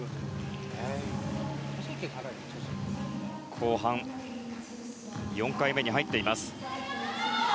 後半、４回目に入っています。